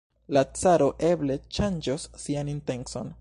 La caro eble ŝanĝos sian intencon.